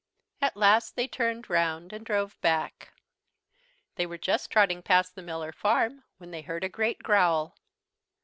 At last they turned round and drove back. They were just trotting past the Miller Farm when they heard a great growl.